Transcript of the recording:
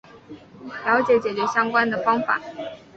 了解解决相关的方法